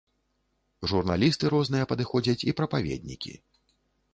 Журналісты розныя падыходзяць і прапаведнікі.